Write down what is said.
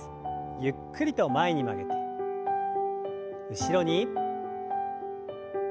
ゆっくりと前に曲げて後ろに。